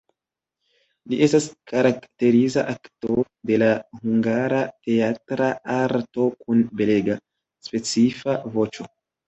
Li estas karakteriza aktoro de la hungara teatra arto kun belega, specifa voĉo.